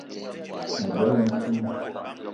Me bela ntouii